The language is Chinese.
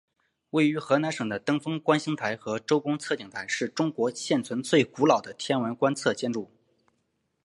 位于河南省的登封观星台和周公测景台是中国现存最古老的天文观测建筑。